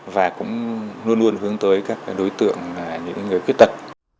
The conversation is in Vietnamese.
và cũng luôn luôn hướng tới các đối tượng là những người khuyết tật